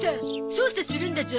捜査するんだゾ。